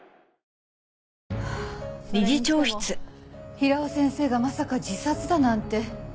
それにしても平尾先生がまさか自殺だなんて。